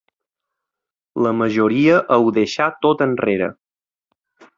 La majoria ho deixà tot enrere.